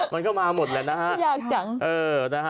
มันก็มาหมดแล้วนะฮะ